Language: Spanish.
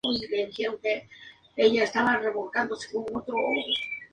Fue promovido de cuarto a octavo grado de Primaria en solo un año.